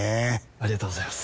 ありがとうございます！